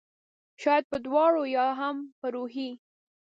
شاید په دواړو ؟ یا هم په روحي